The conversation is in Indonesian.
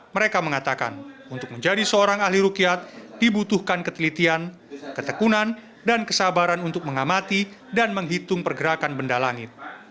mereka mengatakan untuk menjadi seorang ahli rukiat dibutuhkan ketelitian ketekunan dan kesabaran untuk mengamati dan menghitung pergerakan benda langit